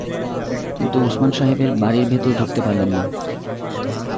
কিন্তু ওসমান সাহেবের বাড়ির ভেতর ঢুকতে পারলেন না।